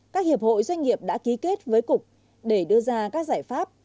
các hiệp hội doanh nghiệp đã ký kết với cục để đưa ra các giải pháp